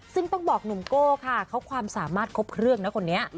ซึ่งต้องบอกหนุ่มโก้ค่ะเขาความสามารถครบเครื่องนะคนนี้